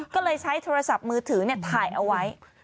ก็เลยใช้โทรศัพท์มือถือถ่ายเอาไว้